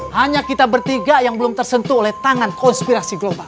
hanya kita bertiga yang belum tersentuh oleh tangan konspirasi global